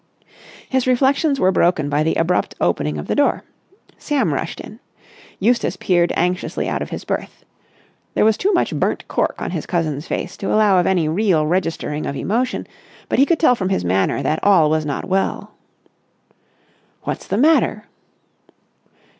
His reflections were broken by the abrupt opening of the door. Sam rushed in. Eustace peered anxiously out of his berth. There was too much burnt cork on his cousin's face to allow of any real registering of emotion, but he could tell from his manner that all was not well. "What's the matter?"